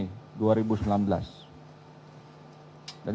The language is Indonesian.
jadi yang berbeda